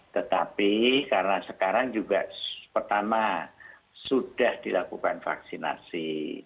tetapi karena sekarang juga pertama sudah dilakukan vaksinasi